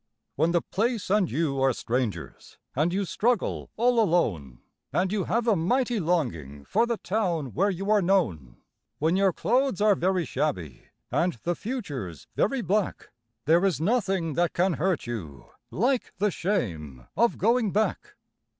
When the place and you are strangers and you struggle all alone, And you have a mighty longing for the town where you are known; When your clothes are very shabby and the future's very black, There is nothing that can hurt you like the shame of going back.